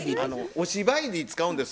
お芝居に使うんです。